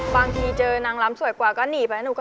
บางทีเจอนางร้ำสวยกว่าก็หนีไปเนี่ยหนูก็